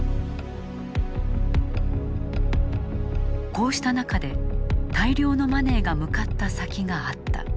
こうした中で大量のマネーが向かった先があった。